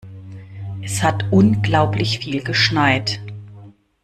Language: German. Es hat unglaublich viel geschneit.